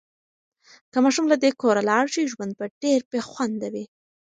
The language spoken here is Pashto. که ماشوم له دې کوره لاړ شي، ژوند به ډېر بې خونده وي.